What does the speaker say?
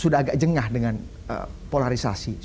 sudah agak jengah dengan pembelahan politik